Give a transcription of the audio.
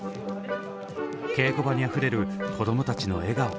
稽古場にあふれるこどもたちの笑顔。